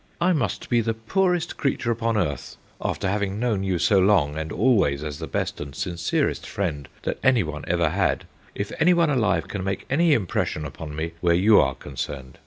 I must be the poorest creature upon earth after having known you so long, and always as the best and sincerest friend that any one ever had if any one alive can make any impression upon me, where you are concerned.